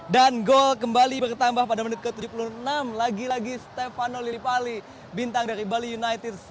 dan gol kembali bertambah pada menit ke tujuh puluh enam lagi lagi stefano lillipali bintang dari bali united